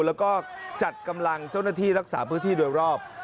แล้วก็จัดกำลังเจ้าหน้าที่รักษาพื้นที่โดยรอบ